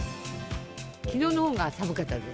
きのうのほうが寒かったです。